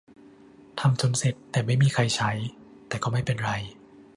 ทำจนเสร็จ แต่ไม่มีใครใช้ - แต่ก็ไม่เป็นไร